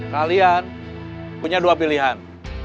kalian punya dua pilihan